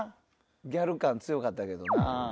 ギャル感強かったけどなぁ。